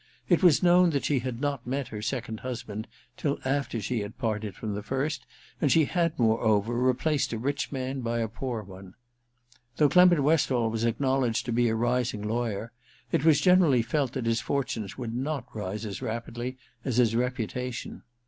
It was known that she had not met her second husband till after she had parted from the first, and she had, moreover, replaced a rich man by a poor one. Though Clement Westall was acknowledged to be a rising lawyer, 208 II THE RECKONING 209 it was generally felt that his fortunes would not rise as rapidly as his reputation.